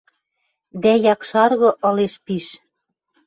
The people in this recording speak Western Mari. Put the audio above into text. Дӓ якшаргы ылеш пиш.